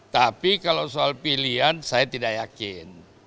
tapi kalau soal pilihan saya tidak yakin